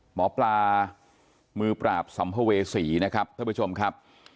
หมอปลามือปราบสัมภเวษีนะครับท่านผู้ชมครับ